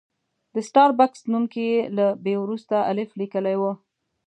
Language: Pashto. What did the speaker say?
د سټار بکس نوم کې یې له بي وروسته الف لیکلی و.